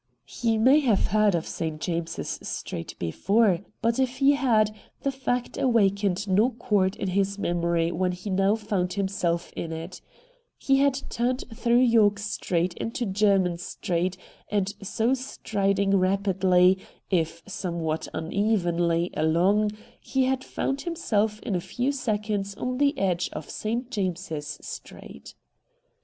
He may have heard of St. James's Street before, but if he had, the fact awakened no chord in his memory when he now found himself in it. He had turned through York Street into Jermyn Street, and so striding rapidly, if somewhat unevenly, along, had found himself in a WHAT HAPPENED IN ST. /AMES'S ST. 99 few seconds on the edge of St. James's Street.